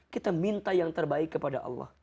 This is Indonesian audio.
kita minta yang terbaik kepada allah